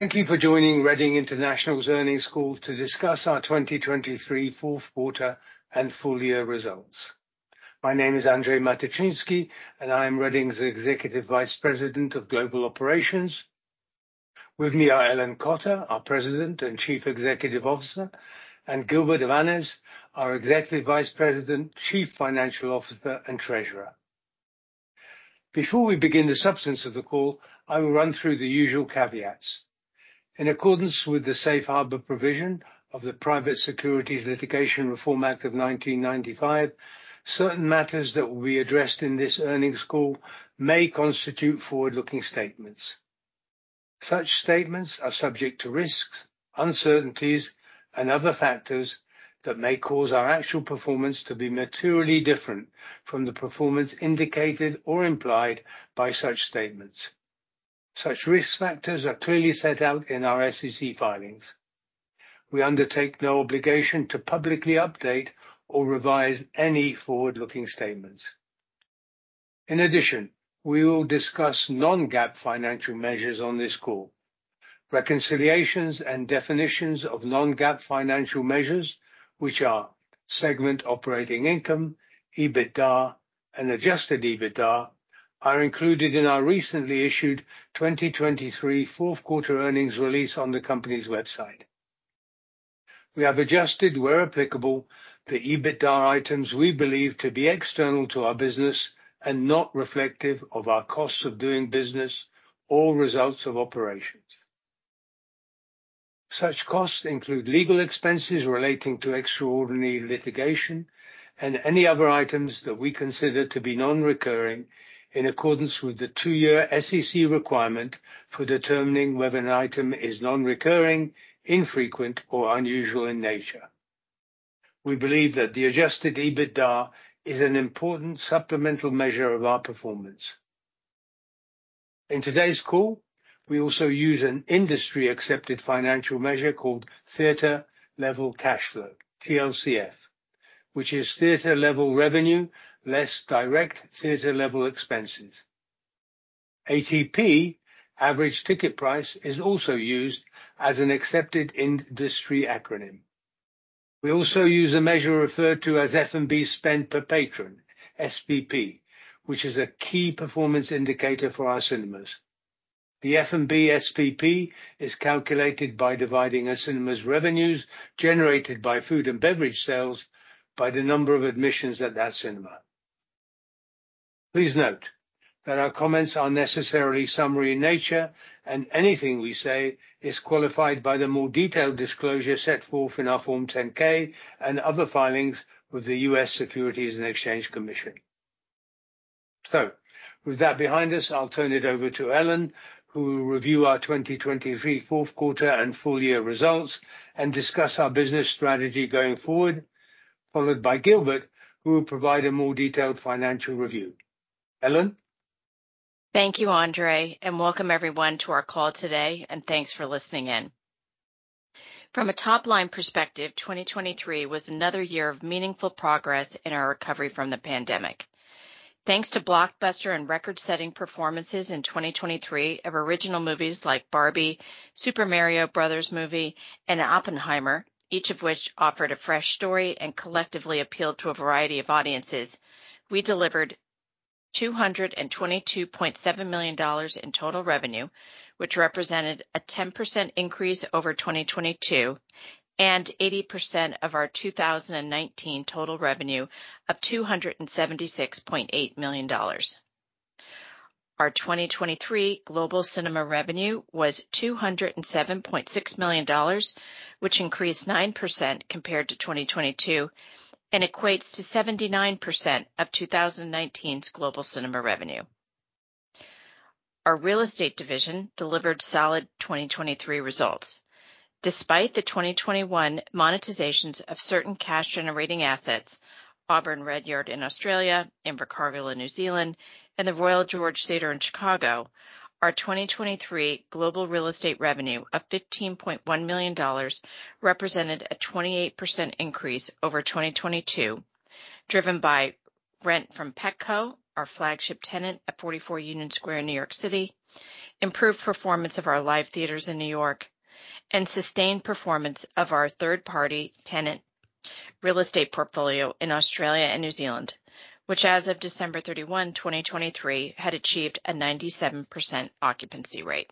Thank you for joining Reading International's earnings call to discuss our 2023 fourth quarter and full year results. My name is Andrzej Matyczynski, and I am Reading's Executive Vice President of Global Operations. With me are Ellen Cotter, our President and Chief Executive Officer; and Gilbert Avanes, our Executive Vice President, Chief Financial Officer, and Treasurer. Before we begin the substance of the call, I will run through the usual caveats. In accordance with the Safe Harbor Provision of the Private Securities Litigation Reform Act of 1995, certain matters that will be addressed in this earnings call may constitute forward-looking statements. Such statements are subject to risks, uncertainties, and other factors that may cause our actual performance to be materially different from the performance indicated or implied by such statements. Such risk factors are clearly set out in our SEC filings. We undertake no obligation to publicly update or revise any forward-looking statements. In addition, we will discuss non-GAAP financial measures on this call. Reconciliations and definitions of non-GAAP financial measures, which are Segment Operating Income, EBITDA, and Adjusted EBITDA, are included in our recently issued 2023 fourth quarter earnings release on the company's website. We have adjusted, where applicable, the EBITDA items we believe to be external to our business and not reflective of our costs of doing business or results of operations. Such costs include legal expenses relating to extraordinary litigation and any other items that we consider to be non-recurring in accordance with the two-year SEC requirement for determining whether an item is non-recurring, infrequent, or unusual in nature. We believe that the Adjusted EBITDA is an important supplemental measure of our performance. In today's call, we also use an industry-accepted financial measure called Theatre Level Cash Flow (TLCF), which is theatre-level revenue less direct theatre-level expenses. ATP, Average Ticket Price, is also used as an accepted industry acronym. We also use a measure referred to as F&B Spend Per Patron (SPP), which is a key performance indicator for our cinemas. The F&B SPP is calculated by dividing a cinema's revenues generated by food and beverage sales by the number of admissions at that cinema. Please note that our comments are necessarily summary in nature, and anything we say is qualified by the more detailed disclosure set forth in our Form 10-K and other filings with the U.S. Securities and Exchange Commission. With that behind us, I'll turn it over to Ellen, who will review our 2023 fourth quarter and full year results and discuss our business strategy going forward, followed by Gilbert, who will provide a more detailed financial review. Ellen? Thank you, Andrzej, and welcome everyone to our call today, and thanks for listening in. From a top-line perspective, 2023 was another year of meaningful progress in our recovery from the pandemic. Thanks to blockbuster and record-setting performances in 2023 of original movies like Barbie, Super Mario Bros. Movie, and Oppenheimer, each of which offered a fresh story and collectively appealed to a variety of audiences, we delivered $222.7 million in total revenue, which represented a 10% increase over 2022 and 80% of our 2019 total revenue of $276.8 million. Our 2023 global cinema revenue was $207.6 million, which increased 9% compared to 2022 and equates to 79% of 2019's global cinema revenue. Our real estate division delivered solid 2023 results. Despite the 2021 monetizations of certain cash-generating assets (Auburn Redyard in Australia, Invercargill in New Zealand, and the Royal George Theatre in Chicago), our 2023 global real estate revenue of $15.1 million represented a 28% increase over 2022, driven by rent from Petco, our flagship tenant at 44 Union Square in New York City, improved performance of our live theaters in New York, and sustained performance of our third-party tenant real estate portfolio in Australia and New Zealand, which as of December 31, 2023, had achieved a 97% occupancy rate.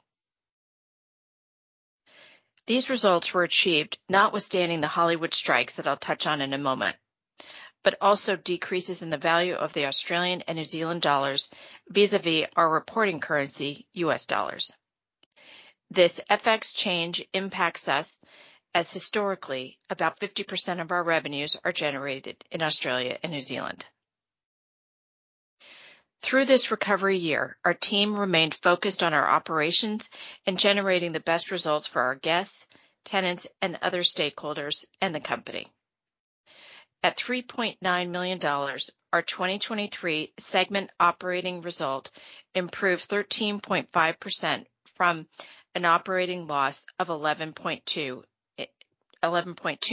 These results were achieved notwithstanding the Hollywood strikes that I'll touch on in a moment, but also decreases in the value of the Australian and New Zealand dollars vis-à-vis our reporting currency, U.S. dollars. This FX change impacts us as historically about 50% of our revenues are generated in Australia and New Zealand. Through this recovery year, our team remained focused on our operations and generating the best results for our guests, tenants, and other stakeholders and the company. At $3.9 million, our 2023 segment operating result improved 13.5% from an operating loss of $11.2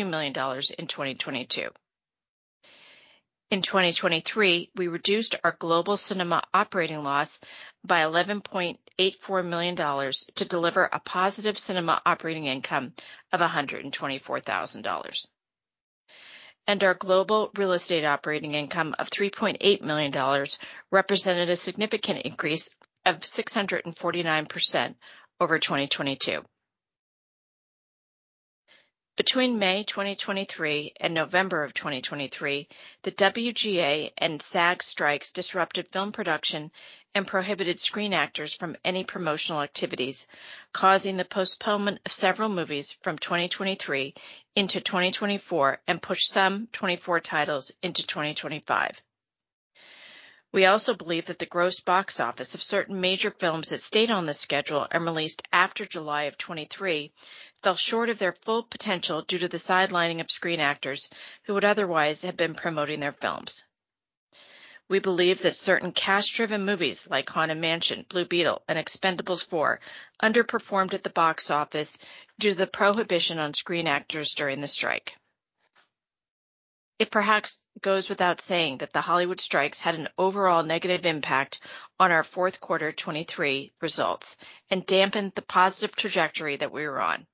million in 2022. In 2023, we reduced our global cinema operating loss by $11.84 million to deliver a positive cinema operating income of $124,000. Our global real estate operating income of $3.8 million represented a significant increase of 649% over 2022. Between May 2023 and November of 2023, the WGA and SAG strikes disrupted film production and prohibited screen actors from any promotional activities, causing the postponement of several movies from 2023 into 2024 and pushed some 24 titles into 2025. We also believe that the gross box office of certain major films that stayed on the schedule and released after July of 2023 fell short of their full potential due to the sidelining of screen actors who would otherwise have been promoting their films. We believe that certain cash-driven movies like Haunted Mansion, Blue Beetle, and Expendables 4 underperformed at the box office due to the prohibition on screen actors during the strike. It perhaps goes without saying that the Hollywood strikes had an overall negative impact on our fourth quarter 2023 results and dampened the positive trajectory that we were on.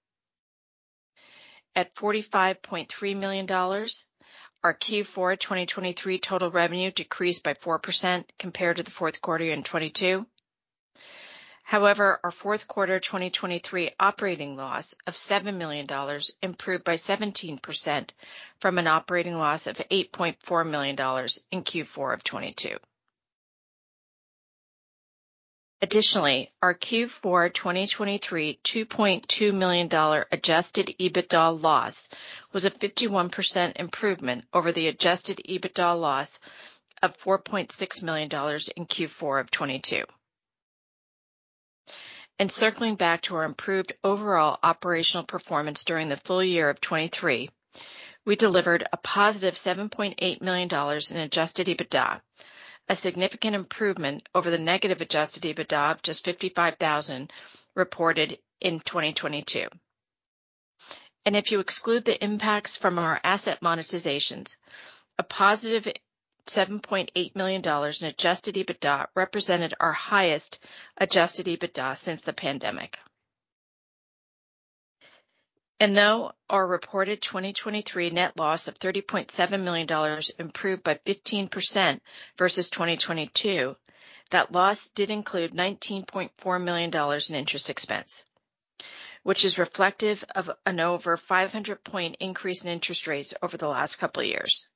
At $45.3 million, our Q4 of 2023 total revenue decreased by 4% compared to the fourth quarter in 2022. However, our fourth quarter 2023 operating loss of $7 million improved by 17% from an operating loss of $8.4 million in Q4 of 2022. Additionally, our Q4 2023 $2.2 million Adjusted EBITDA loss was a 51% improvement over the Adjusted EBITDA loss of $4.6 million in Q4 of 2022. And circling back to our improved overall operational performance during the full year of 2023, we delivered a positive $7.8 million in Adjusted EBITDA, a significant improvement over the negative Adjusted EBITDA of just $55,000 reported in 2022. And if you exclude the impacts from our asset monetizations, a positive $7.8 million in Adjusted EBITDA represented our highest Adjusted EBITDA since the pandemic. And though our reported 2023 net loss of $30.7 million improved by 15% versus 2022, that loss did include $19.4 million in interest expense, which is reflective of an over 500-point increase in interest rates over the last couple of years.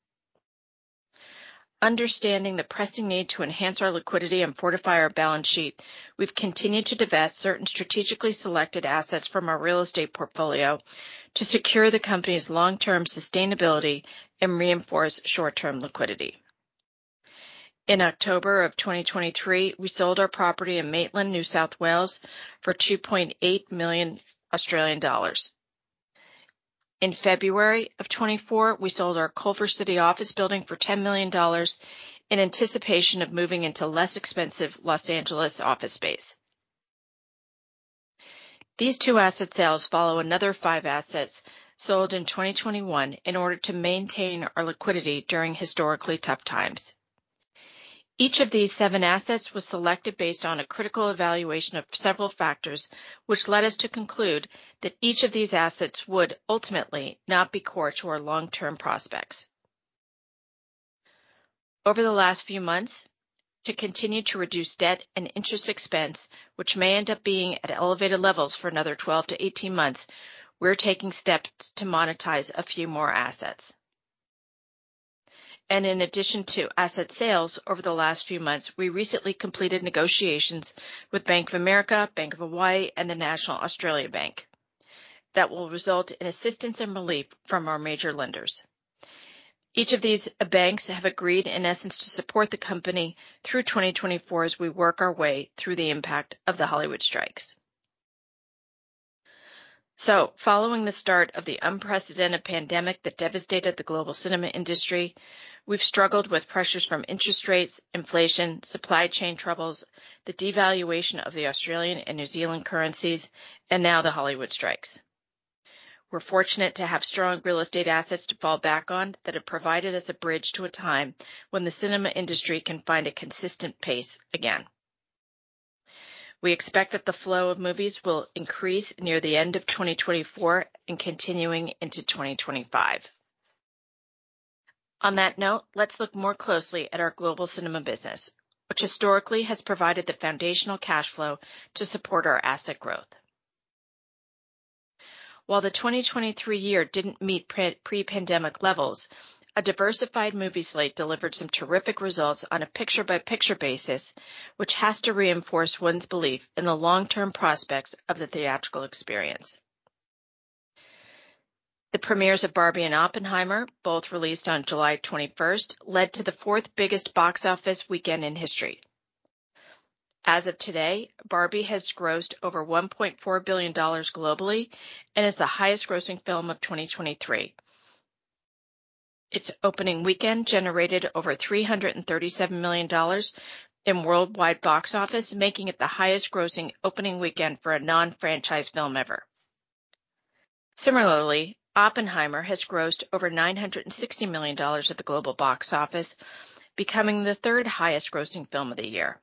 Understanding the pressing need to enhance our liquidity and fortify our balance sheet, we've continued to divest certain strategically selected assets from our real estate portfolio to secure the company's long-term sustainability and reinforce short-term liquidity. In October of 2023, we sold our property in Maitland, New South Wales, for 2.8 million Australian dollars. In February of 2024, we sold our Culver City office building for $10 million in anticipation of moving into less expensive Los Angeles office space. These two asset sales follow another five assets sold in 2021 in order to maintain our liquidity during historically tough times. Each of these seven assets was selected based on a critical evaluation of several factors, which led us to conclude that each of these assets would ultimately not be core to our long-term prospects. Over the last few months, to continue to reduce debt and interest expense, which may end up being at elevated levels for another 12-18 months, we're taking steps to monetize a few more assets. In addition to asset sales over the last few months, we recently completed negotiations with Bank of America, Bank of Hawaii, and the National Australia Bank. That will result in assistance and relief from our major lenders. Each of these banks have agreed, in essence, to support the company through 2024 as we work our way through the impact of the Hollywood strikes. Following the start of the unprecedented pandemic that devastated the global cinema industry, we've struggled with pressures from interest rates, inflation, supply chain troubles, the devaluation of the Australian and New Zealand currencies, and now the Hollywood strikes. We're fortunate to have strong real estate assets to fall back on that have provided us a bridge to a time when the cinema industry can find a consistent pace again. We expect that the flow of movies will increase near the end of 2024 and continuing into 2025. On that note, let's look more closely at our global cinema business, which historically has provided the foundational cash flow to support our asset growth. While the 2023 year didn't meet pre-pandemic levels, a diversified movie slate delivered some terrific results on a picture-by-picture basis, which has to reinforce one's belief in the long-term prospects of the theatrical experience. The premieres of Barbie and Oppenheimer, both released on July 21st, led to the fourth biggest box office weekend in history. As of today, Barbie has grossed over $1.4 billion globally and is the highest-grossing film of 2023. Its opening weekend generated over $337 million in worldwide box office, making it the highest-grossing opening weekend for a non-franchise film ever. Similarly, Oppenheimer has grossed over $960 million at the global box office, becoming the third highest-grossing film of the year.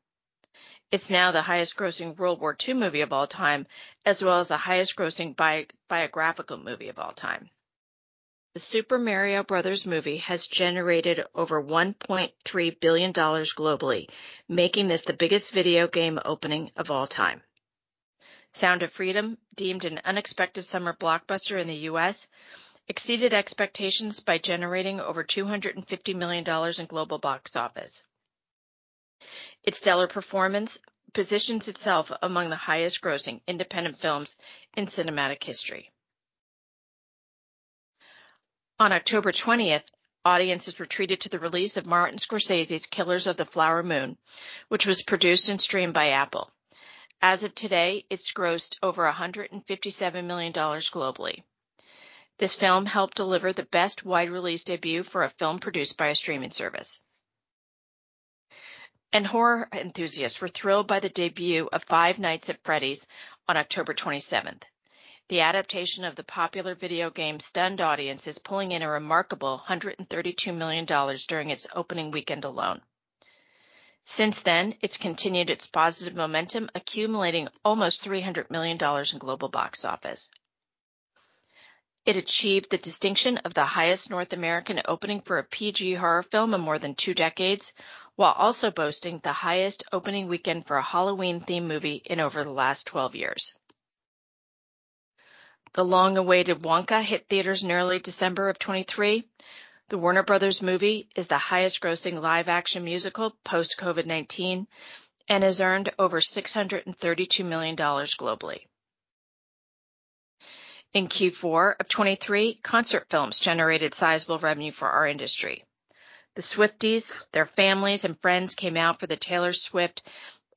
It's now the highest-grossing World War II movie of all time, as well as the highest-grossing biographical movie of all time. The Super Mario Bros. movie has generated over $1.3 billion globally, making this the biggest video game opening of all time. Sound of Freedom, deemed an unexpected summer blockbuster in the U.S., exceeded expectations by generating over $250 million in global box office. Its stellar performance positions itself among the highest-grossing independent films in cinematic history. On October 20th, audiences were treated to the release of Martin Scorsese's Killers of the Flower Moon, which was produced and streamed by Apple. As of today, it's grossed over $157 million globally. This film helped deliver the best wide-release debut for a film produced by a streaming service. And horror enthusiasts were thrilled by the debut of Five Nights at Freddy's on October 27th. The adaptation of the popular video game stunned audiences, pulling in a remarkable $132 million during its opening weekend alone. Since then, it's continued its positive momentum, accumulating almost $300 million in global box office. It achieved the distinction of the highest North American opening for a PG horror film in more than two decades, while also boasting the highest opening weekend for a Halloween-themed movie in over the last 12 years. The long-awaited Wonka hit theaters in early December of 2023. The Warner Bros. movie is the highest-grossing live-action musical post-COVID-19 and has earned over $632 million globally. In Q4 of 2023, concert films generated sizable revenue for our industry. The Swifties, their families, and friends came out for the Taylor Swift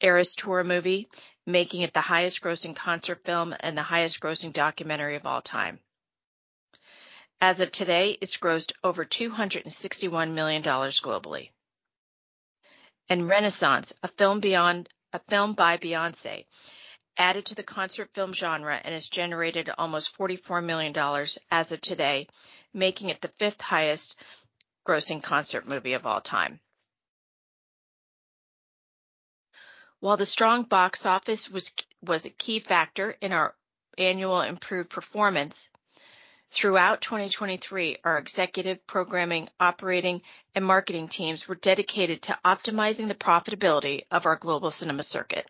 Eras Tour movie, making it the highest-grossing concert film and the highest-grossing documentary of all time. As of today, it's grossed over $261 million globally. Renaissance, a film by Beyoncé, added to the concert film genre and has generated almost $44 million as of today, making it the fifth highest-grossing concert movie of all time. While the strong box office was a key factor in our annual improved performance, throughout 2023, our executive programming, operating, and marketing teams were dedicated to optimizing the profitability of our global cinema circuit.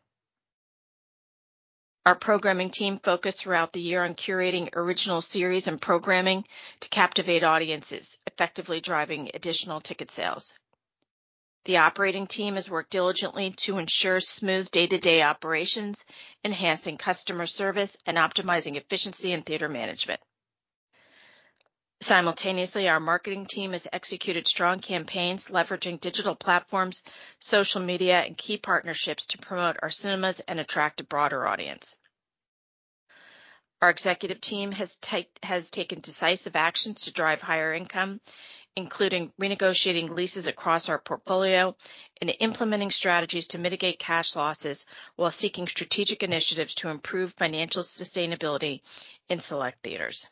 Our programming team focused throughout the year on curating original series and programming to captivate audiences, effectively driving additional ticket sales. The operating team has worked diligently to ensure smooth day-to-day operations, enhancing customer service and optimizing efficiency in theater management. Simultaneously, our marketing team has executed strong campaigns leveraging digital platforms, social media, and key partnerships to promote our cinemas and attract a broader audience. Our executive team has taken decisive actions to drive higher income, including renegotiating leases across our portfolio and implementing strategies to mitigate cash losses while seeking strategic initiatives to improve financial sustainability in select theaters.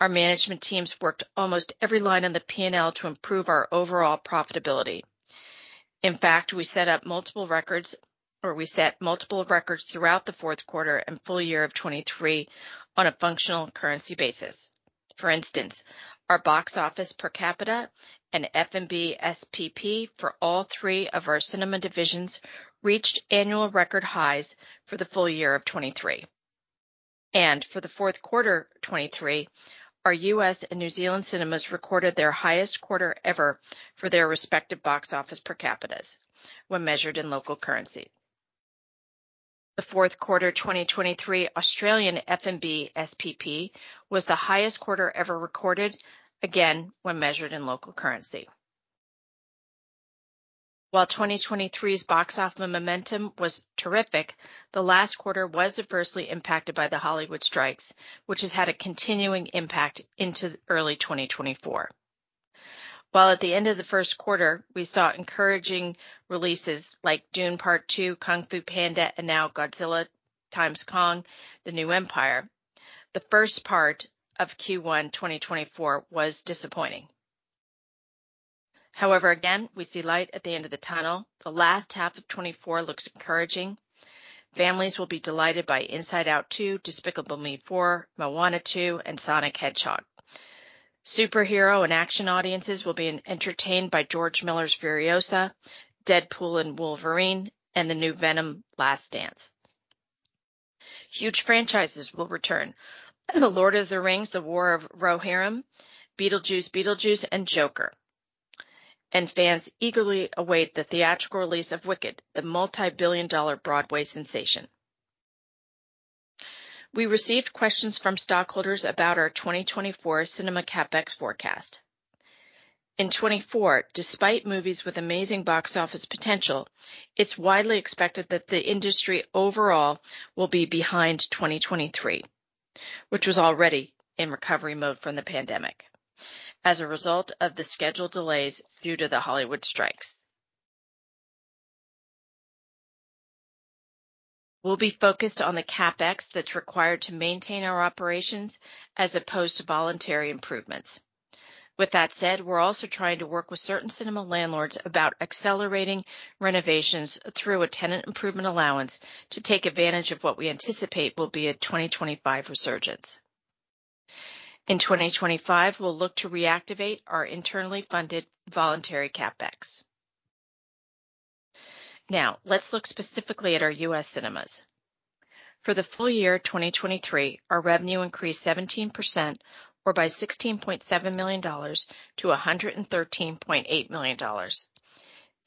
Our management teams worked almost every line on the P&L to improve our overall profitability. In fact, we set up multiple records or we set multiple records throughout the fourth quarter and full year of 2023 on a functional currency basis. For instance, our box office per capita and F&B SPP for all three of our cinema divisions reached annual record highs for the full year of 2023. For the fourth quarter 2023, our U.S. and New Zealand cinemas recorded their highest quarter ever for their respective box office per capitas when measured in local currency. The fourth quarter 2023 Australian F&B SPP was the highest quarter ever recorded, again when measured in local currency. While 2023's box office momentum was terrific, the last quarter was adversely impacted by the Hollywood strikes, which has had a continuing impact into early 2024. While at the end of the first quarter, we saw encouraging releases like Dune Part 2, Kung Fu Panda, and now Godzilla x Kong: The New Empire, the first part of Q1 2024 was disappointing. However, again, we see light at the end of the tunnel. The last half of 2024 looks encouraging. Families will be delighted by Inside Out 2, Despicable Me 4, Moana 2, and Sonic the Hedgehog. Superhero and action audiences will be entertained by George Miller's Furiosa, Deadpool and Wolverine, and the new Venom: Last Dance. Huge franchises will return: The Lord of the Rings: The War of the Rohirrim, Beetlejuice Beetlejuice, and Joker. Fans eagerly await the theatrical release of Wicked, the multi-billion dollar Broadway sensation. We received questions from stockholders about our 2024 cinema CapEx forecast. In 2024, despite movies with amazing box office potential, it's widely expected that the industry overall will be behind 2023, which was already in recovery mode from the pandemic as a result of the schedule delays due to the Hollywood strikes. We'll be focused on the CapEx that's required to maintain our operations as opposed to voluntary improvements. With that said, we're also trying to work with certain cinema landlords about accelerating renovations through a tenant improvement allowance to take advantage of what we anticipate will be a 2025 resurgence. In 2025, we'll look to reactivate our internally funded voluntary CapEx. Now, let's look specifically at our U.S. cinemas. For the full year 2023, our revenue increased 17% or by $16.7 million to $113.8 million.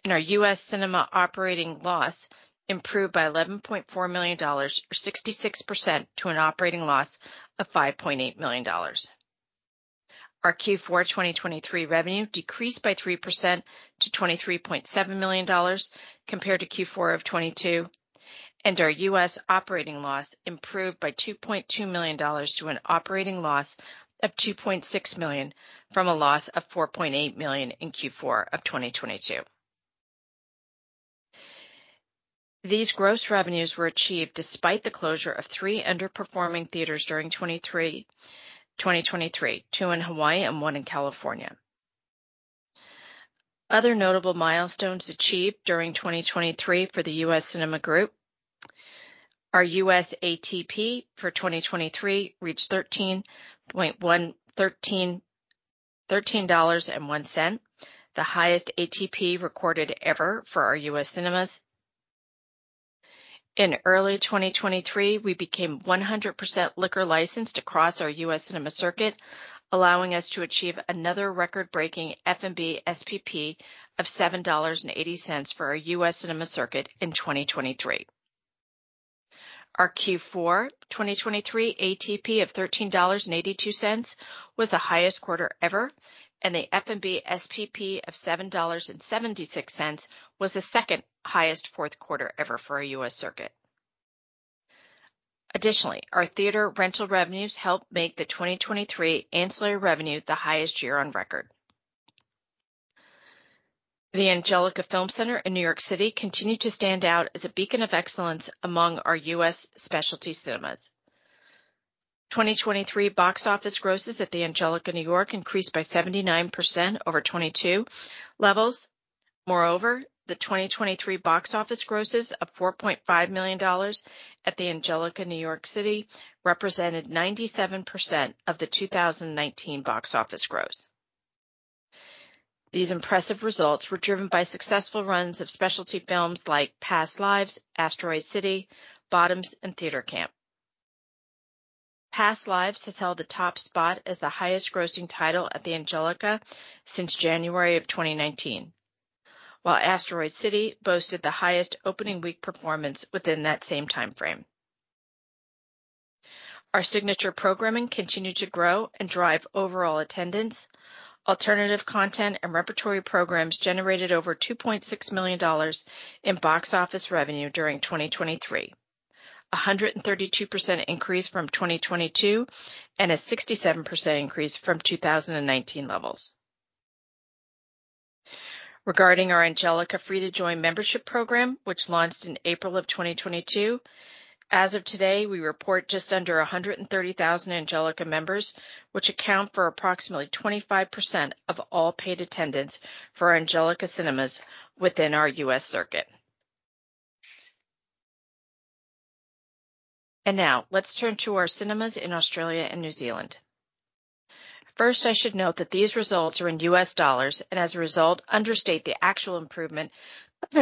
Our U.S. cinema operating loss improved by $11.4 million or 66% to an operating loss of $5.8 million. Our Q4 2023 revenue decreased by 3% to $23.7 million compared to Q4 of 2022. Our U.S. operating loss improved by $2.2 million to an operating loss of $2.6 million from a loss of $4.8 million in Q4 of 2022. These gross revenues were achieved despite the closure of three underperforming theaters during 2023: two in Hawaii and one in California. Other notable milestones achieved during 2023 for the U.S. cinema group. Our U.S. ATP for 2023 reached $13.13, the highest ATP recorded ever for our U.S. cinemas. In early 2023, we became 100% liquor licensed across our U.S. cinema circuit, allowing us to achieve another record-breaking F&B SPP of $7.80 for our U.S. cinema circuit in 2023. Our Q4 2023 ATP of $13.82 was the highest quarter ever, and the F&B SPP of $7.76 was the second highest fourth quarter ever for a U.S. circuit. Additionally, our theater rental revenues helped make the 2023 ancillary revenue the highest year on record. The Angelika Film Center in New York City continued to stand out as a beacon of excellence among our U.S. specialty cinemas. 2023 box office grosses at the Angelika New York increased by 79% over 2022 levels. Moreover, the 2023 box office grosses of $4.5 million at the Angelika New York City represented 97% of the 2019 box office gross. These impressive results were driven by successful runs of specialty films like Past Lives, Asteroid City, Bottoms, and Theater Camp. Past Lives has held the top spot as the highest-grossing title at the Angelika since January of 2019, while Asteroid City boasted the highest opening week performance within that same time frame. Our signature programming continued to grow and drive overall attendance. Alternative content and repertory programs generated over $2.6 million in box office revenue during 2023, a 132% increase from 2022 and a 67% increase from 2019 levels. Regarding our Angelika free-to-join membership program, which launched in April of 2022, as of today, we report just under 130,000 Angelika members, which account for approximately 25% of all paid attendance for Angelika cinemas within our U.S. circuit. Now let's turn to our cinemas in Australia and New Zealand. First, I should note that these results are in U.S. dollars and, as a result, understate the actual improvement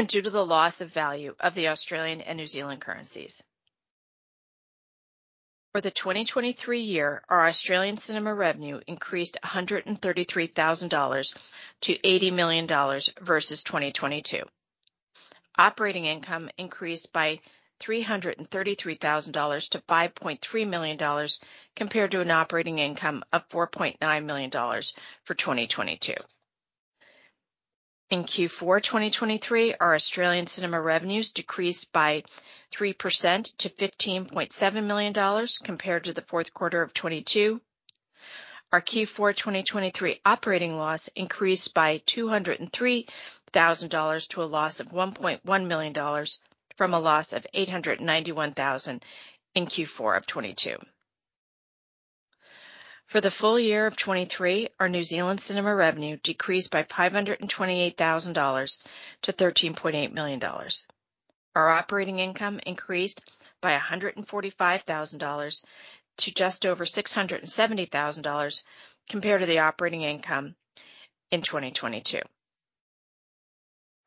due to the loss of value of the Australian and New Zealand currencies. For the 2023 year, our Australian cinema revenue increased $133,000 to $80 million versus 2022. Operating income increased by $333,000 to $5.3 million compared to an operating income of $4.9 million for 2022. In Q4 2023, our Australian cinema revenues decreased by 3% to $15.7 million compared to the fourth quarter of 2022. Our Q4 2023 operating loss increased by $203,000 to a loss of $1.1 million from a loss of $891,000 in Q4 of 2022. For the full year of 2023, our New Zealand cinema revenue decreased by $528,000 to $13.8 million. Our operating income increased by $145,000 to just over $670,000 compared to the operating income in 2022.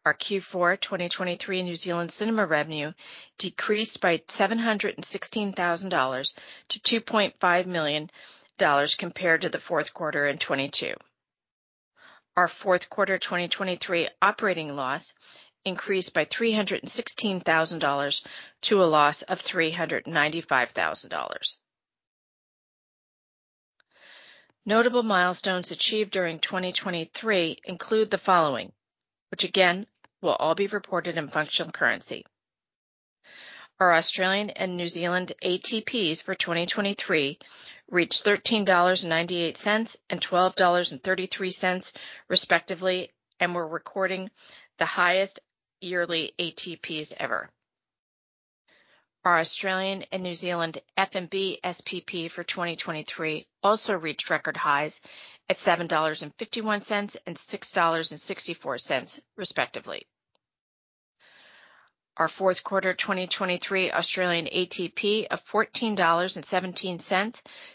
Our Q4 2023 New Zealand cinema revenue decreased by $716,000 to $2.5 million compared to the fourth quarter in 2022. Our fourth quarter 2023 operating loss increased by $316,000 to a loss of $395,000. Notable milestones achieved during 2023 include the following, which again will all be reported in functional currency. Our Australian and New Zealand ATPs for 2023 reached AUD 13.98 and NZD 12.33 respectively and were recording the highest yearly ATPs ever. Our Australian and New Zealand F&B SPP for 2023 also reached record highs at 7.51 dollars and 6.64 dollars respectively. Our fourth quarter 2023 Australian ATP of 14.17 dollars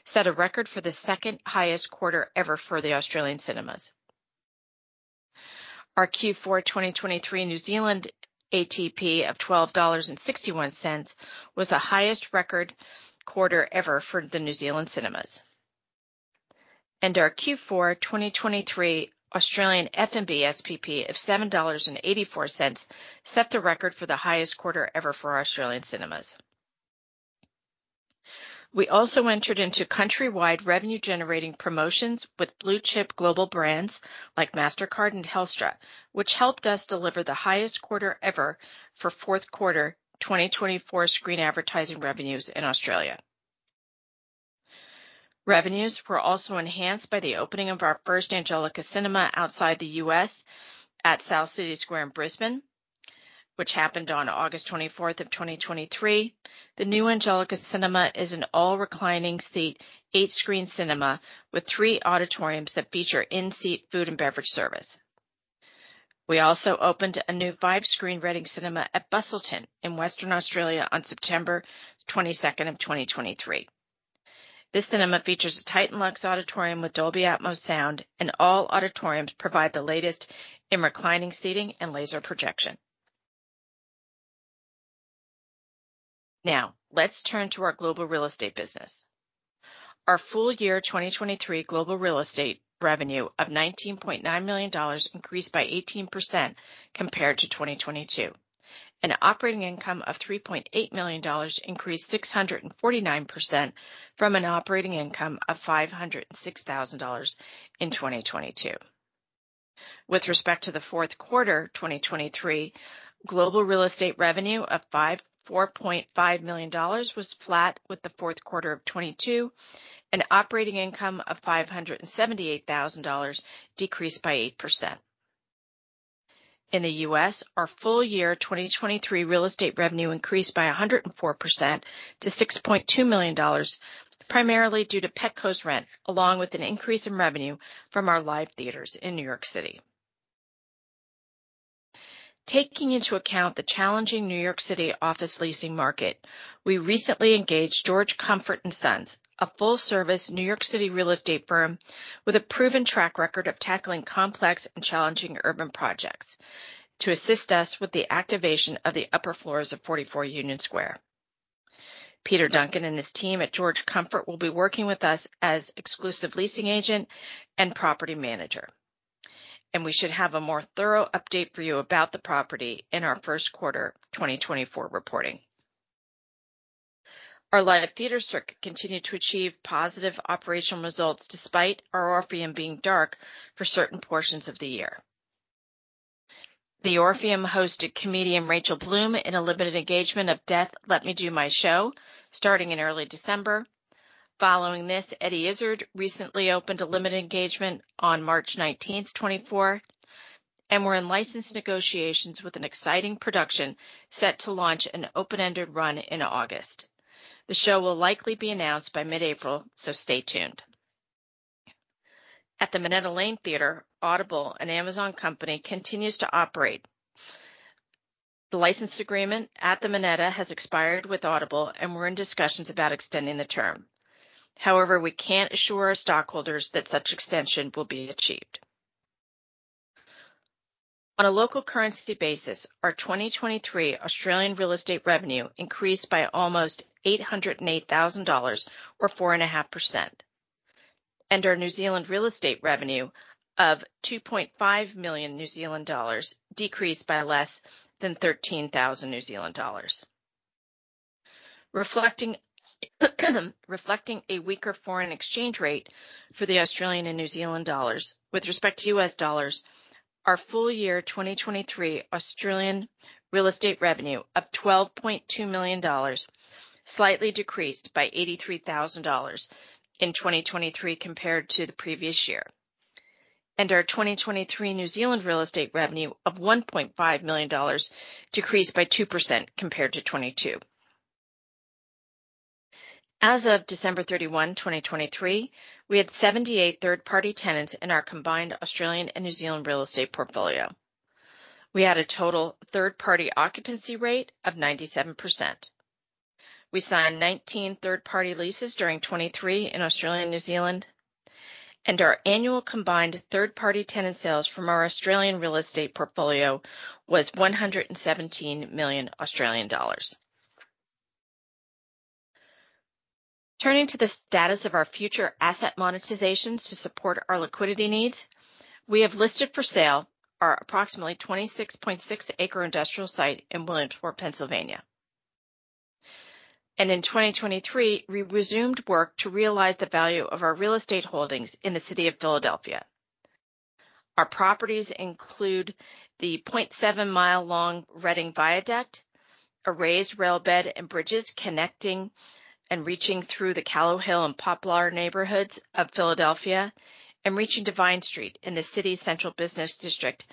set a record for the second highest quarter ever for the Australian cinemas. Our Q4 2023 New Zealand ATP of 12.61 dollars was the highest record quarter ever for the New Zealand cinemas. Our Q4 2023 Australian F&B SPP of 7.84 dollars set the record for the highest quarter ever for Australian cinemas. We also entered into countrywide revenue-generating promotions with blue chip global brands like Mastercard and Telstra, which helped us deliver the highest quarter ever for fourth quarter 2024 screen advertising revenues in Australia. Revenues were also enhanced by the opening of our first Angelika cinema outside the U.S. at South City Square in Brisbane, which happened on August 24th of 2023. The new Angelika cinema is an all-reclining seat, eight-screen cinema with three auditoriums that feature in-seat food and beverage service. We also opened a new five-screen Reading Cinema at Busselton in Western Australia on September 22nd of 2023. This cinema features a TITAN LUXE auditorium with Dolby Atmos sound, and all auditoriums provide the latest in reclining seating and laser projection. Now, let's turn to our global real estate business. Our full year 2023 global real estate revenue of $19.9 million increased by 18% compared to 2022. An operating income of $3.8 million increased 649% from an operating income of $506,000 in 2022. With respect to the fourth quarter 2023, global real estate revenue of $4.5 million was flat with the fourth quarter of 2022, an operating income of $578,000 decreased by 8%. In the U.S., our full year 2023 real estate revenue increased by 104% to $6.2 million, primarily due to Petco's rent, along with an increase in revenue from our live theaters in New York City. Taking into account the challenging New York City office leasing market, we recently engaged George Comfort & Sons, a full-service New York City real estate firm with a proven track record of tackling complex and challenging urban projects, to assist us with the activation of the upper floors of 44 Union Square. Peter Duncan and his team at George Comfort will be working with us as exclusive leasing agent and property manager. We should have a more thorough update for you about the property in our first quarter 2024 reporting. Our live theater circuit continued to achieve positive operational results despite our Orpheum being dark for certain portions of the year. The Orpheum hosted comedian Rachel Bloom in a limited engagement of Death, Let Me Do My Show, starting in early December. Following this, Eddie Izzard recently opened a limited engagement on March 19th, 2024. We're in license negotiations with an exciting production set to launch an open-ended run in August. The show will likely be announced by mid-April, so stay tuned. At the Minetta Lane Theatre, Audible, an Amazon company, continues to operate. The license agreement at the Minetta has expired with Audible, and we're in discussions about extending the term. However, we can't assure our stockholders that such extension will be achieved. On a local currency basis, our 2023 Australian real estate revenue increased by almost $808,000 or 4.5%. Our New Zealand real estate revenue of $2.5 million decreased by less than $13,000. Reflecting a weaker foreign exchange rate for the Australian and New Zealand dollars with respect to U.S. dollars, our full year 2023 Australian real estate revenue of $12.2 million slightly decreased by $83,000 in 2023 compared to the previous year. Our 2023 New Zealand real estate revenue of $1.5 million decreased by 2% compared to 2022. As of December 31, 2023, we had 78 third-party tenants in our combined Australian and New Zealand real estate portfolio. We had a total third-party occupancy rate of 97%. We signed 19 third-party leases during 2023 in Australia and New Zealand. Our annual combined third-party tenant sales from our Australian real estate portfolio was 117 million Australian dollars. Turning to the status of our future asset monetizations to support our liquidity needs, we have listed for sale our approximately 26.6-acre industrial site in Williamsport, Pennsylvania. In 2023, we resumed work to realize the value of our real estate holdings in the city of Philadelphia. Our properties include the 0.7 mile-long Reading Viaduct, a raised railbed and bridges connecting and reaching through the Callowhill and Poplar neighborhoods of Philadelphia, and reaching Vine Street in the city's central business district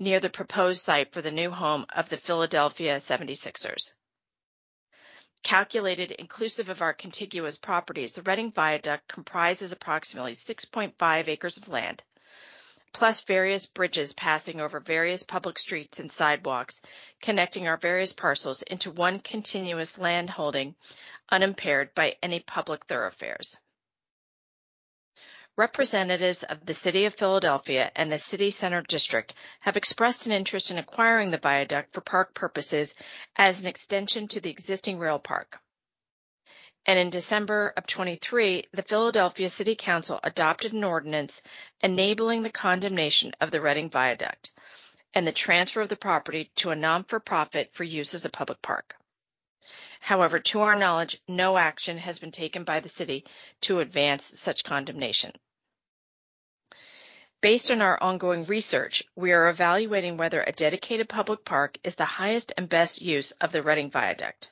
near the proposed site for the new home of the Philadelphia 76ers. Calculated inclusive of our contiguous properties, the Reading Viaduct comprises approximately 6.5 acres of land, plus various bridges passing over various public streets and sidewalks connecting our various parcels into one continuous land holding unimpaired by any public thoroughfares. Representatives of the city of Philadelphia and the Center City District have expressed an interest in acquiring the viaduct for park purposes as an extension to the existing rail park. In December of 2023, the Philadelphia City Council adopted an ordinance enabling the condemnation of the Reading Viaduct and the transfer of the property to a non-for-profit for use as a public park. However, to our knowledge, no action has been taken by the city to advance such condemnation. Based on our ongoing research, we are evaluating whether a dedicated public park is the highest and best use of the Reading Viaduct.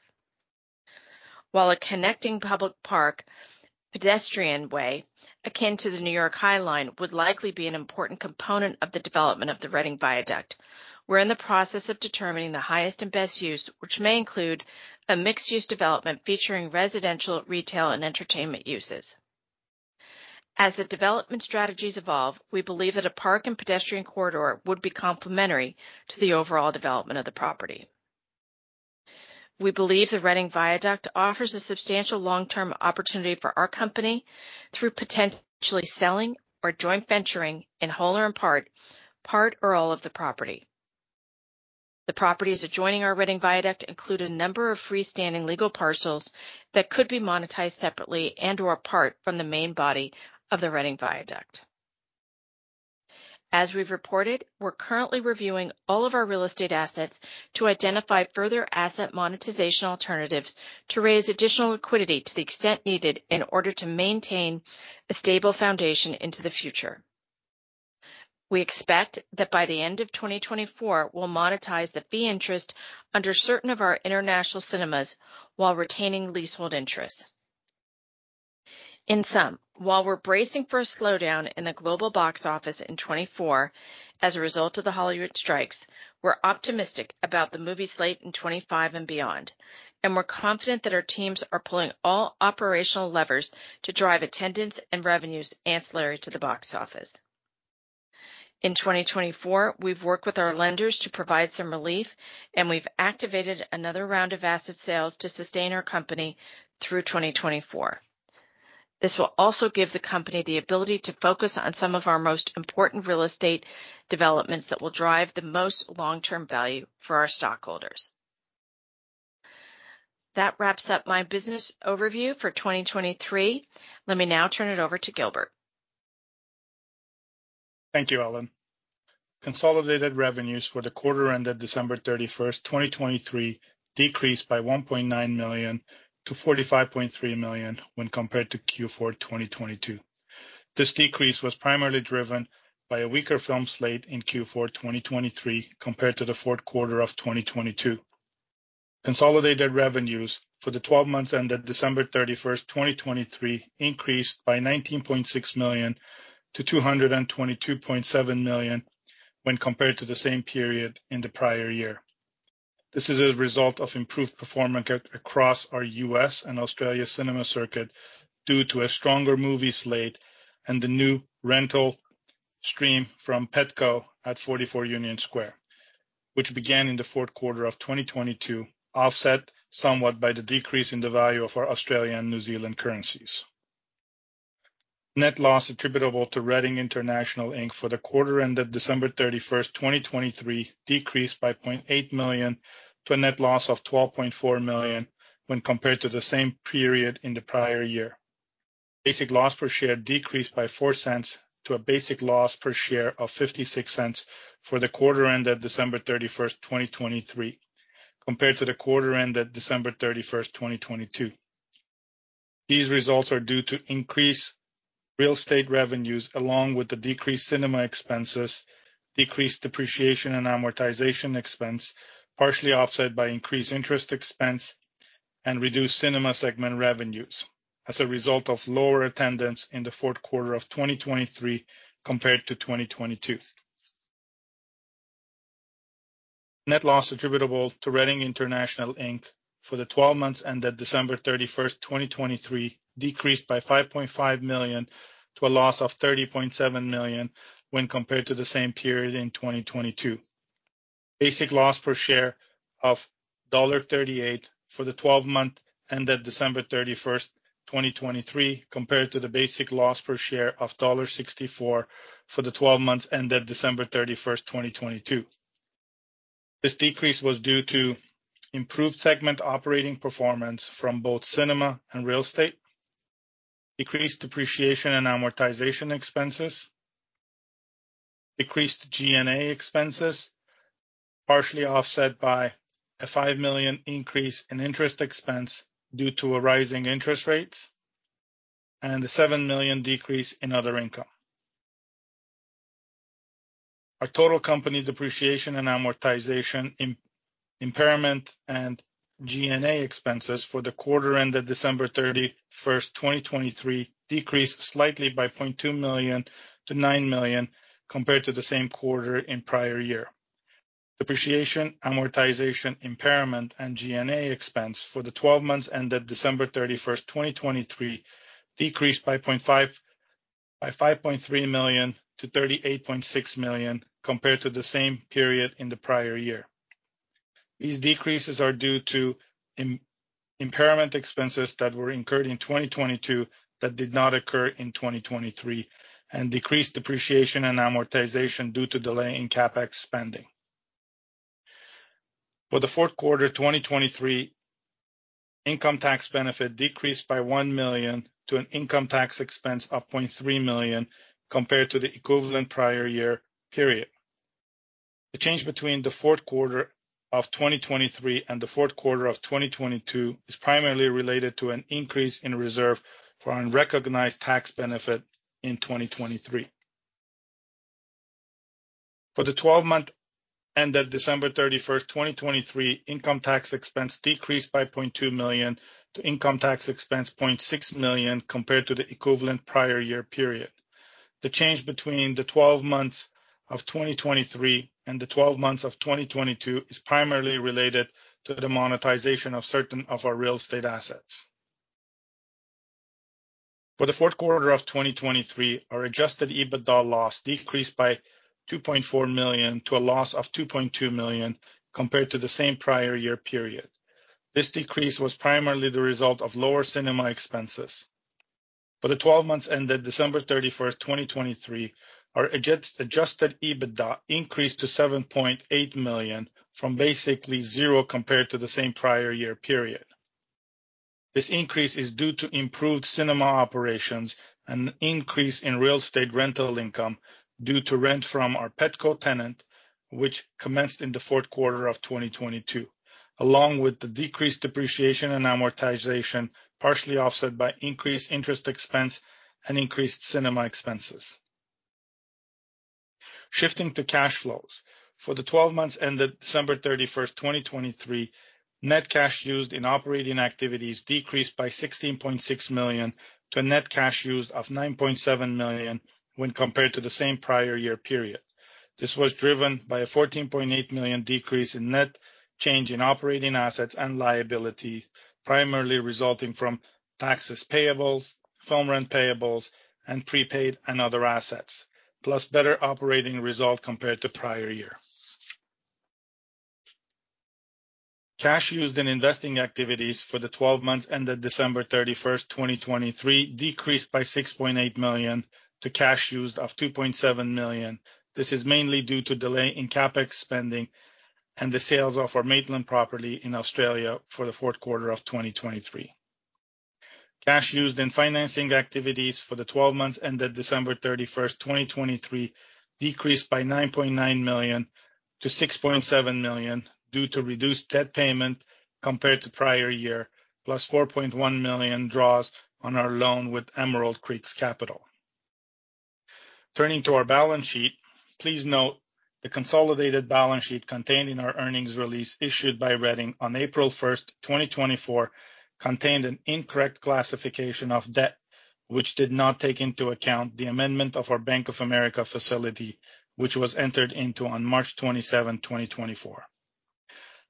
While a connecting public park pedestrian way akin to the New York High Line would likely be an important component of the development of the Reading Viaduct, we're in the process of determining the highest and best use, which may include a mixed-use development featuring residential, retail, and entertainment uses. As the development strategies evolve, we believe that a park and pedestrian corridor would be complementary to the overall development of the property. We believe the Reading Viaduct offers a substantial long-term opportunity for our company through potentially selling or joint venturing in whole or in part, part or all of the property. The properties adjoining our Reading Viaduct include a number of freestanding legal parcels that could be monetized separately and/or part from the main body of the Reading Viaduct. As we've reported, we're currently reviewing all of our real estate assets to identify further asset monetization alternatives to raise additional liquidity to the extent needed in order to maintain a stable foundation into the future. We expect that by the end of 2024, we'll monetize the fee interest under certain of our international cinemas while retaining leasehold interest. In sum, while we're bracing for a slowdown in the global box office in 2024 as a result of the Hollywood strikes, we're optimistic about the movie slate in 2025 and beyond. We're confident that our teams are pulling all operational levers to drive attendance and revenues ancillary to the box office. In 2024, we've worked with our lenders to provide some relief, and we've activated another round of asset sales to sustain our company through 2024. This will also give the company the ability to focus on some of our most important real estate developments that will drive the most long-term value for our stockholders. That wraps up my business overview for 2023. Let me now turn it over to Gilbert. Thank you, Ellen. Consolidated revenues for the quarter-ended December 31st, 2023, decreased by $1.9 million to $45.3 million when compared to Q4 2022. This decrease was primarily driven by a weaker film slate in Q4 2023 compared to the fourth quarter of 2022. Consolidated revenues for the 12 months ended December 31st, 2023, increased by $19.6 million to $222.7 million when compared to the same period in the prior year. This is a result of improved performance across our U.S. and Australia cinema circuit due to a stronger movie slate and the new rental stream from Petco at 44 Union Square, which began in the fourth quarter of 2022, offset somewhat by the decrease in the value of our Australian and New Zealand currencies. Net loss attributable to Reading International, Inc. for the quarter-ended December 31st, 2023, decreased by $0.8 million to a net loss of $12.4 million when compared to the same period in the prior year. Basic loss per share decreased by $0.04 to a basic loss per share of $0.56 for the quarter-ended December 31st, 2023, compared to the quarter-ended December 31st, 2022. These results are due to increased real estate revenues along with the decreased cinema expenses, decreased depreciation and amortization expense, partially offset by increased interest expense, and reduced cinema segment revenues as a result of lower attendance in the fourth quarter of 2023 compared to 2022. Net loss attributable to Reading International, Inc. for the 12 months ended December 31st, 2023, decreased by $5.5 million to a loss of $30.7 million when compared to the same period in 2022. Basic loss per share of $1.38 for the 12-month ended December 31st, 2023, compared to the basic loss per share of $1.64 for the 12 months ended December 31st, 2022. This decrease was due to improved segment operating performance from both cinema and real estate, decreased depreciation and amortization expenses, decreased G&A expenses, partially offset by a $5 million increase in interest expense due to a rising interest rate, and a $7 million decrease in other income. Our total company depreciation and amortization impairment and G&A expenses for the quarter-ended December 31st, 2023, decreased slightly by $0.2 million to $9 million compared to the same quarter in prior year. Depreciation, amortization impairment, and G&A expense for the 12 months ended December 31st, 2023, decreased by $5.3 million to $38.6 million compared to the same period in the prior year. These decreases are due to impairment expenses that were incurred in 2022 that did not occur in 2023, and decreased depreciation and amortization due to delay in CapEx spending. For the fourth quarter 2023, income tax benefit decreased by $1 million to an income tax expense of $0.3 million compared to the equivalent prior year period. The change between the fourth quarter of 2023 and the fourth quarter of 2022 is primarily related to an increase in reserve for unrecognized tax benefit in 2023. For the 12-month ended December 31st, 2023, income tax expense decreased by $0.2 million to income tax expense $0.6 million compared to the equivalent prior year period. The change between the 12 months of 2023 and the 12 months of 2022 is primarily related to the monetization of certain of our real estate assets. For the fourth quarter of 2023, our Adjusted EBITDA loss decreased by $2.4 million to a loss of $2.2 million compared to the same prior year period. This decrease was primarily the result of lower cinema expenses. For the 12 months ended December 31st, 2023, our Adjusted EBITDA increased to $7.8 million from basically zero compared to the same prior year period. This increase is due to improved cinema operations and an increase in real estate rental income due to rent from our Petco tenant, which commenced in the fourth quarter of 2022, along with the decreased depreciation and amortization partially offset by increased interest expense and increased cinema expenses. Shifting to cash flows, for the 12 months ended December 31st, 2023, net cash used in operating activities decreased by $16.6 million to a net cash used of $9.7 million when compared to the same prior year period. This was driven by a $14.8 million decrease in net change in operating assets and liabilities, primarily resulting from tax payables, film rent payables, and prepaid and other assets, plus better operating result compared to prior year. Cash used in investing activities for the 12 months ended December 31st, 2023, decreased by $6.8 million to cash used of $2.7 million. This is mainly due to delay in CapEx spending and the sales of our Maitland property in Australia for the fourth quarter of 2023. Cash used in financing activities for the 12 months ended December 31st, 2023, decreased by $9.9 million to $6.7 million due to reduced debt payment compared to prior year, plus $4.1 million draws on our loan with Emerald Creek Capital. Turning to our balance sheet, please note the consolidated balance sheet contained in our earnings release issued by Reading on April 1st, 2024, contained an incorrect classification of debt, which did not take into account the amendment of our Bank of America facility, which was entered into on March 27, 2024.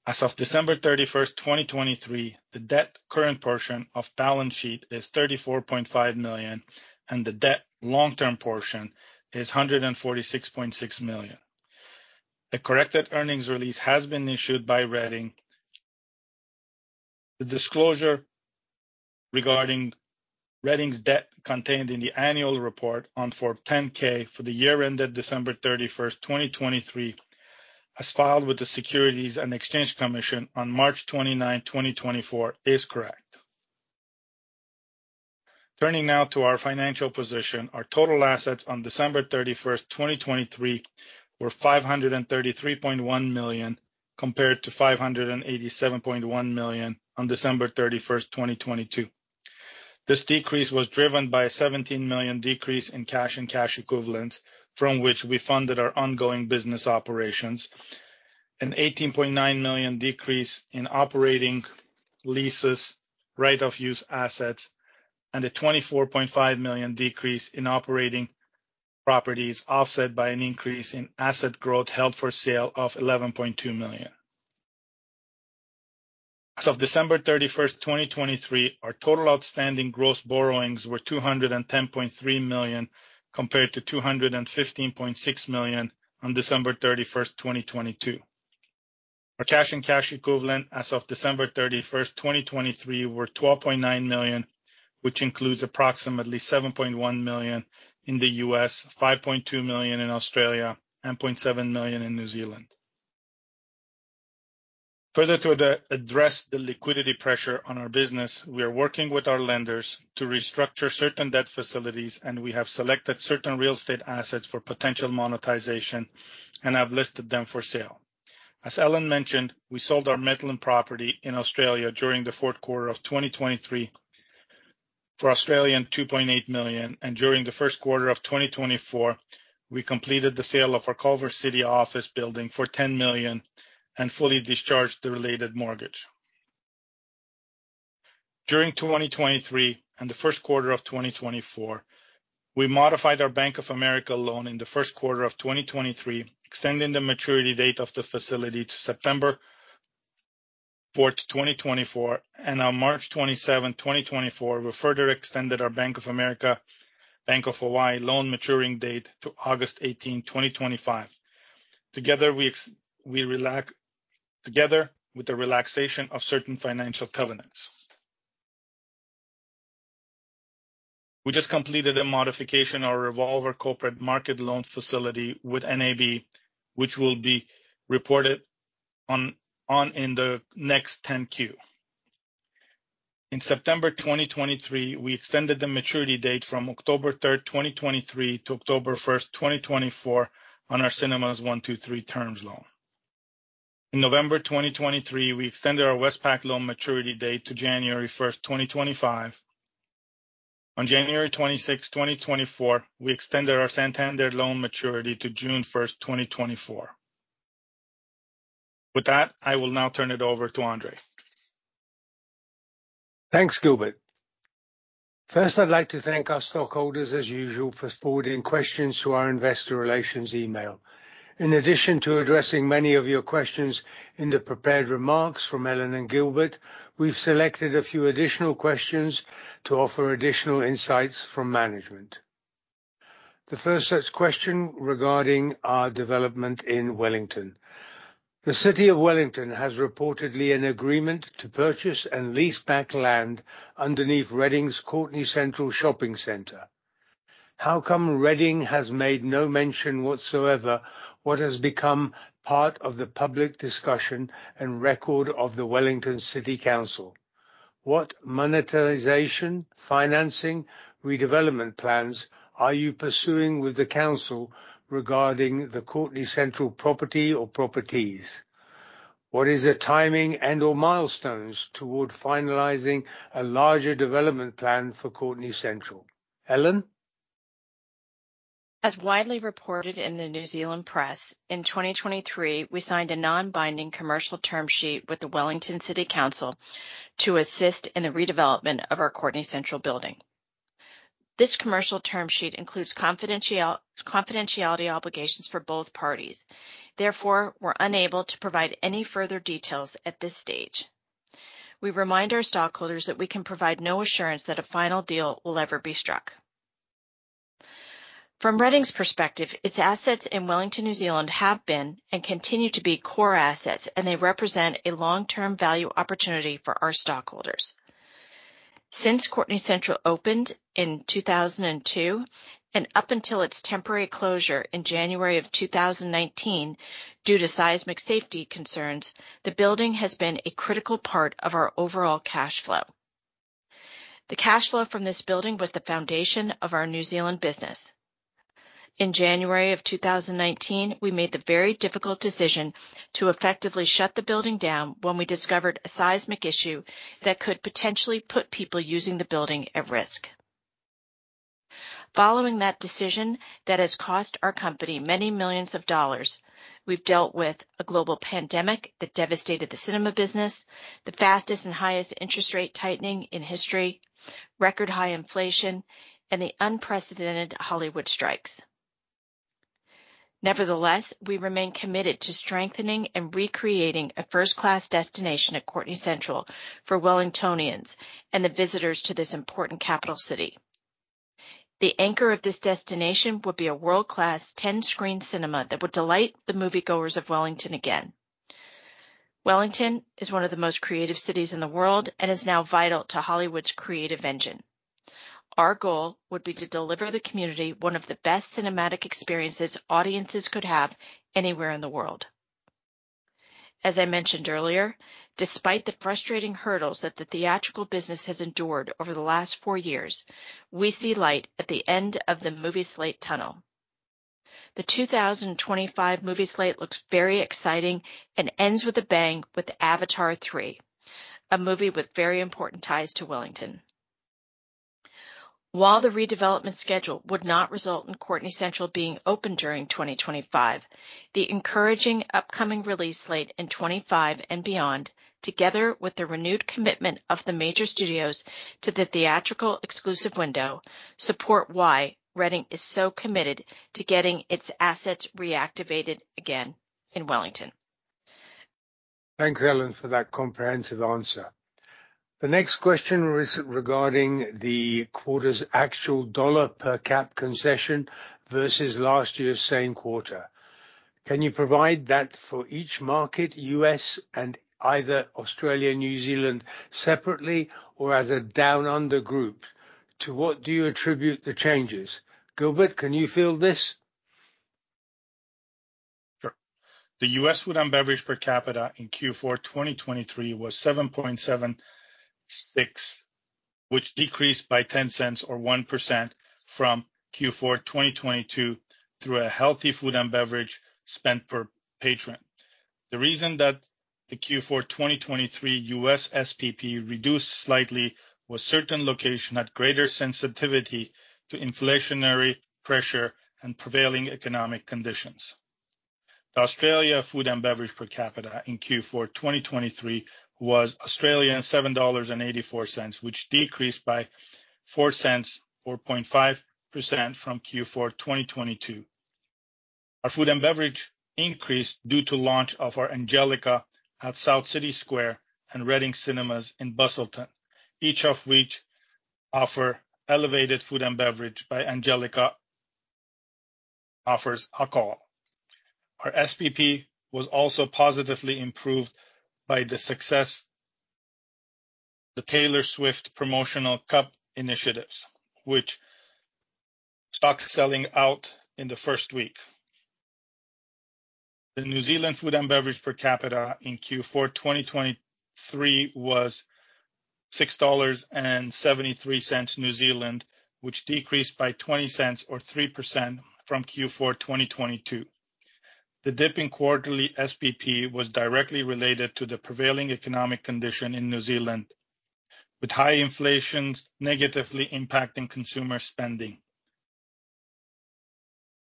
As of December 31st, 2023, the debt current portion of balance sheet is $34.5 million, and the debt long-term portion is $146.6 million. A corrected earnings release has been issued by Reading. The disclosure regarding Reading's debt contained in the annual report on Form 10-K for the year ended December 31st, 2023, as filed with the Securities and Exchange Commission on March 29, 2024, is correct. Turning now to our financial position, our total assets on December 31st, 2023, were $533.1 million compared to $587.1 million on December 31st, 2022. This decrease was driven by a $17 million decrease in cash and cash equivalents from which we funded our ongoing business operations, an $18.9 million decrease in operating leases, right-of-use assets, and a $24.5 million decrease in operating properties offset by an increase in asset growth held for sale of $11.2 million. As of December 31st, 2023, our total outstanding gross borrowings were $210.3 million compared to $215.6 million on December 31st, 2022. Our cash and cash equivalent as of December 31st, 2023, were $12.9 million, which includes approximately $7.1 million in the U.S., $5.2 million in Australia, and $0.7 million in New Zealand. Further to address the liquidity pressure on our business, we are working with our lenders to restructure certain debt facilities, and we have selected certain real estate assets for potential monetization and have listed them for sale. As Ellen mentioned, we sold our Maitland property in Australia during the fourth quarter of 2023 for 2.8 million, and during the first quarter of 2024, we completed the sale of our Culver City office building for $10 million and fully discharged the related mortgage. During 2023 and the first quarter of 2024, we modified our Bank of America loan in the first quarter of 2023, extending the maturity date of the facility to September 4th, 2024, and on March 27, 2024, we further extended our Bank of America/Bank of Hawaii loan maturing date to August 18, 2025. Together, we relax together with the relaxation of certain financial covenants. We just completed a modification on revolver Corporate Markets Loan Facility with NAB, which will be reported on in the next 10-Q. In September 2023, we extended the maturity date from October 3rd, 2023, to October 1st, 2024, on our Cinemas 1, 2 & 3 term loan. In November 2023, we extended our Westpac loan maturity date to January 1st, 2025. On January 26, 2024, we extended our Santander loan maturity to June 1st, 2024. With that, I will now turn it over to Andrzej. Thanks, Gilbert. First, I'd like to thank our stockholders, as usual, for forwarding questions to our investor relations email. In addition to addressing many of your questions in the prepared remarks from Ellen and Gilbert, we've selected a few additional questions to offer additional insights from management. The first such question regarding our development in Wellington. The City of Wellington has reportedly an agreement to purchase and lease back land underneath Reading's Courtenay Central Shopping Center. How come Reading has made no mention whatsoever what has become part of the public discussion and record of the Wellington City Council? What monetization, financing, redevelopment plans are you pursuing with the Council regarding the Courtenay Central property or properties? What is the timing and/or milestones toward finalizing a larger development plan for Courtenay Central? Ellen? As widely reported in the New Zealand press, in 2023, we signed a non-binding commercial term sheet with the Wellington City Council to assist in the redevelopment of our Courtenay Central building. This commercial term sheet includes confidentiality obligations for both parties. Therefore, we're unable to provide any further details at this stage. We remind our stockholders that we can provide no assurance that a final deal will ever be struck. From Reading's perspective, its assets in Wellington, New Zealand, have been and continue to be core assets, and they represent a long-term value opportunity for our stockholders. Since Courtenay Central opened in 2002 and up until its temporary closure in January of 2019 due to seismic safety concerns, the building has been a critical part of our overall cash flow. The cash flow from this building was the foundation of our New Zealand business. In January of 2019, we made the very difficult decision to effectively shut the building down when we discovered a seismic issue that could potentially put people using the building at risk. Following that decision that has cost our company many millions of dollars, we've dealt with a global pandemic that devastated the cinema business, the fastest and highest interest rate tightening in history, record high inflation, and the unprecedented Hollywood strikes. Nevertheless, we remain committed to strengthening and recreating a first-class destination at Courtenay Central for Wellingtonians and the visitors to this important capital city. The anchor of this destination would be a world-class 10-screen cinema that would delight the moviegoers of Wellington again. Wellington is one of the most creative cities in the world and is now vital to Hollywood's creative engine. Our goal would be to deliver the community one of the best cinematic experiences audiences could have anywhere in the world. As I mentioned earlier, despite the frustrating hurdles that the theatrical business has endured over the last 4 years, we see light at the end of the movie slate tunnel. The 2025 movie slate looks very exciting and ends with a bang with Avatar 3, a movie with very important ties to Wellington. While the redevelopment schedule would not result in Courtenay Central being opened during 2025, the encouraging upcoming release slate in 2025 and beyond, together with the renewed commitment of the major studios to the theatrical exclusive window, support why Reading is so committed to getting its assets reactivated again in Wellington. Thanks, Ellen, for that comprehensive answer. The next question is regarding the quarter's actual $ per cap concession versus last year's same quarter. Can you provide that for each market, U.S., and either Australia and New Zealand separately or as a down-under group? To what do you attribute the changes? Gilbert, can you field this? Sure. The U.S. food and beverage per capita in Q4 2023 was $7.76, which decreased by $0.10 or 1% from Q4 2022 through a healthy food and beverage spend per patron. The reason that the Q4 2023 U.S. SPP reduced slightly was certain locations had greater sensitivity to inflationary pressure and prevailing economic conditions. The Australian food and beverage per capita in Q4 2023 was 7.84 Australian dollars, which decreased by 0.04 or 0.5% from Q4 2022. Our food and beverage increased due to launch of our Angelika at South City Square and Reading Cinemas in Busselton, each of which offers elevated food and beverage and Angelika offers alcohol. Our SPP was also positively improved by the success of the Taylor Swift promotional cup initiatives, which stock selling out in the first week. The New Zealand food and beverage per capita in Q4 2023 was NZD 6.73, which decreased by 0.20 or 3% from Q4 2022. The dipping quarterly SPP was directly related to the prevailing economic condition in New Zealand, with high inflations negatively impacting consumer spending,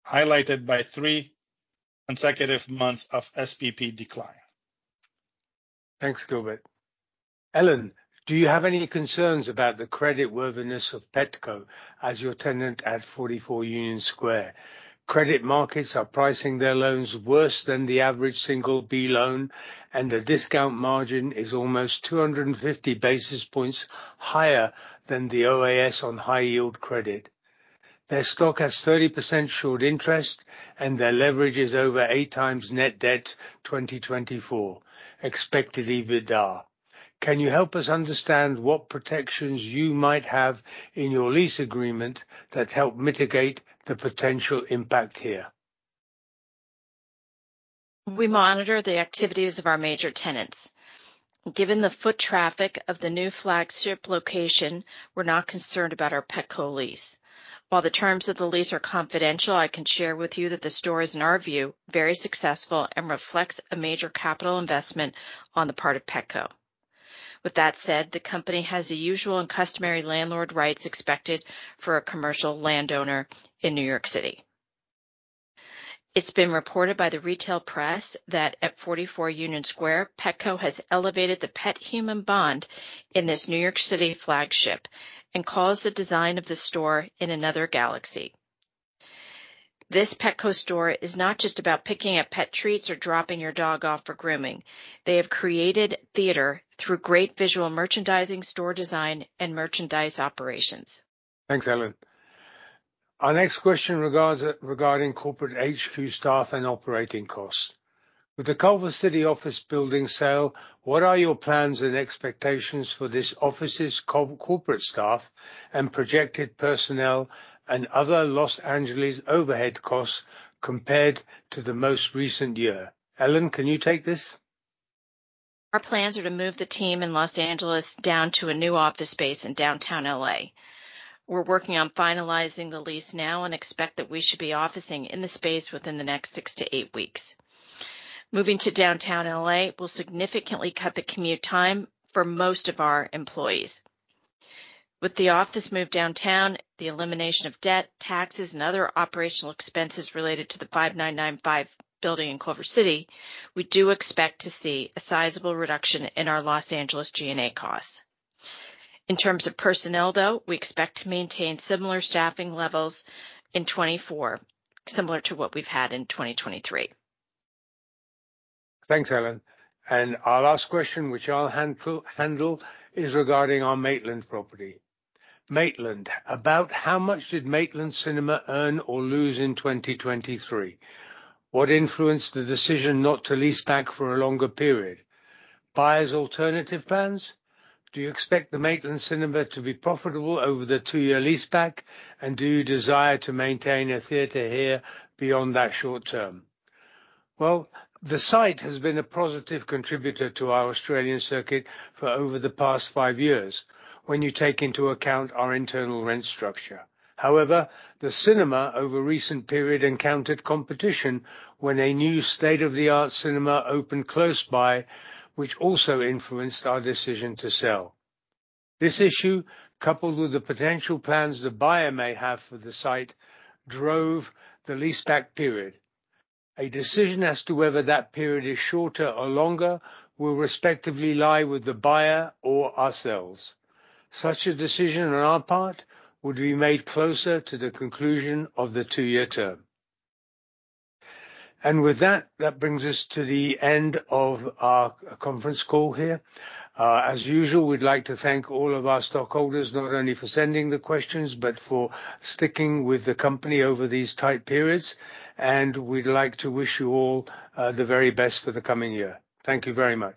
highlighted by 3 consecutive months of SPP decline. Thanks, Gilbert. Ellen, do you have any concerns about the credit worthiness of Petco as your tenant at 44 Union Square? Credit markets are pricing their loans worse than the average single B loan, and the discount margin is almost 250 basis points higher than the OAS on high-yield credit. Their stock has 30% short interest, and their leverage is over 8 times net debt 2024, expected EBITDA. Can you help us understand what protections you might have in your lease agreement that help mitigate the potential impact here? We monitor the activities of our major tenants. Given the foot traffic of the new flagship location, we're not concerned about our Petco lease. While the terms of the lease are confidential, I can share with you that the store is, in our view, very successful and reflects a major capital investment on the part of Petco. With that said, the company has the usual and customary landlord rights expected for a commercial landowner in New York City. It's been reported by the retail press that at 44 Union Square, Petco has elevated the pet-human bond in this New York City flagship and calls the design of the store in another galaxy. This Petco store is not just about picking up pet treats or dropping your dog off for grooming. They have created theater through great visual merchandising store design and merchandise operations. Thanks, Ellen. Our next question regards corporate HQ staff and operating costs. With the Culver City office building sale, what are your plans and expectations for this office's corporate staff and projected personnel and other Los Angeles overhead costs compared to the most recent year? Ellen, can you take this? Our plans are to move the team in Los Angeles down to a new office space in downtown L.A. We're working on finalizing the lease now and expect that we should be officing in the space within the next 6-8 weeks. Moving to downtown L.A. will significantly cut the commute time for most of our employees. With the office moved downtown, the elimination of debt, taxes, and other operational expenses related to the 5995 building in Culver City, we do expect to see a sizable reduction in our Los Angeles G&A costs. In terms of personnel, though, we expect to maintain similar staffing levels in 2024, similar to what we've had in 2023. Thanks, Ellen. And our last question, which I'll handle, is regarding our Maitland property. Maitland, about how much did Maitland Cinema earn or lose in 2023? What influenced the decision not to lease back for a longer period? Buyer's alternative plans? Do you expect the Maitland Cinema to be profitable over the two-year leaseback, and do you desire to maintain a theater here beyond that short term? Well, the site has been a positive contributor to our Australian circuit for over the past five years when you take into account our internal rent structure. However, the cinema over a recent period encountered competition when a new state-of-the-art cinema opened close by, which also influenced our decision to sell. This issue, coupled with the potential plans the buyer may have for the site, drove the leaseback period. A decision as to whether that period is shorter or longer will respectively lie with the buyer or ourselves. Such a decision on our part would be made closer to the conclusion of the two-year term. And with that, that brings us to the end of our conference call here. As usual, we'd like to thank all of our stockholders not only for sending the questions but for sticking with the company over these tight periods, and we'd like to wish you all the very best for the coming year. Thank you very much.